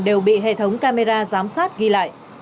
đều bị hệ thống camera giám sát ghi lại